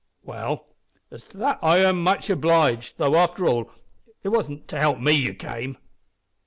"Well, as to that I am much obliged, though, after all, it wasn't to help me you came."